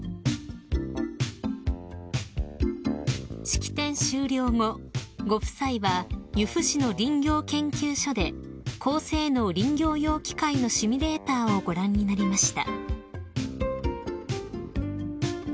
［式典終了後ご夫妻は由布市の林業研修所で高性能林業用機械のシミュレーターをご覧になりました］